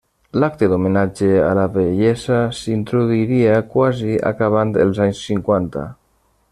L'acte d'homenatge a la vellesa s'introduiria quasi acabant els anys cinquanta.